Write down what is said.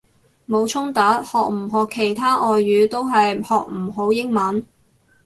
冇衝突，學唔學其他外語都係學唔好英文！